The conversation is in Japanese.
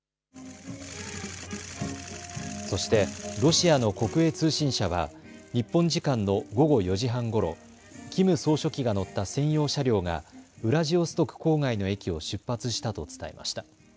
そしてロシアの国営通信社は日本時間の午後４時半ごろ、キム総書記が乗った専用車両がウラジオストク郊外の駅を出発したと伝えました。